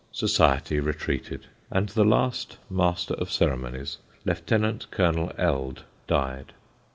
Society retreated, and the last Master of Ceremonies, Lieut. Col. Eld, died.